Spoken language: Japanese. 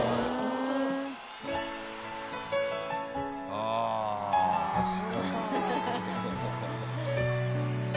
ああ確かに。